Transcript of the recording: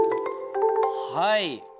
はい。